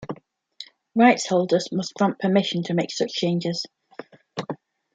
Rights-holders must grant permission to make such changes.